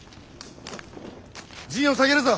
陣を下げるぞ。